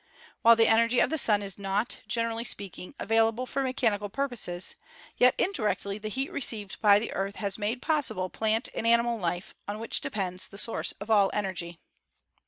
While the energy of the Sun is not, gener ally speaking, available for mechanical purposes, yet indi rectly the heat received by the Earth has made possible plant and animal life, on which depends the source of all energy.